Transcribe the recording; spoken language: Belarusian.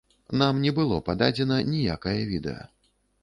Нам не было пададзена ніякае відэа.